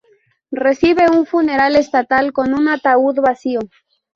Recibe un funeral estatal con un ataúd vacío.